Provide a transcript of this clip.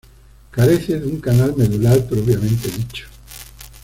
Carece de un canal medular propiamente dicho.